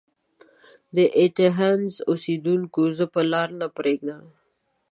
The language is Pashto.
د ایتهنز اوسیدونکیو! زه به لار نه پريږدم.